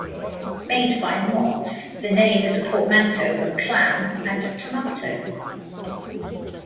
Made by Mott's, the name is a portmanteau of "clam" and "tomato".